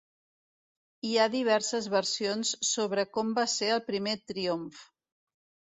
Hi ha diverses versions sobre com va ser el primer triomf.